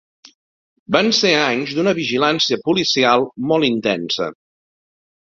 Van ser anys d'una vigilància policial molt intensa.